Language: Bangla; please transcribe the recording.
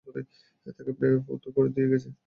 তাঁকে প্রায় ফতুর করে দিয়ে গেছে।